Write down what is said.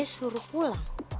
mas besurut pulang